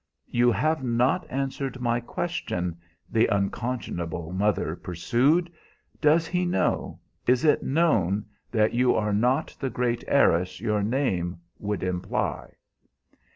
"You have not answered my question," the unconscionable mother pursued. "Does he know is it known that you are not the great heiress your name would imply?"